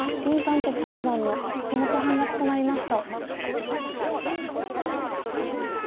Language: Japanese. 傑八段の１目半勝ちとなりました。